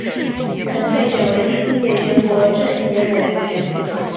曾被选为第四届全国政协委员。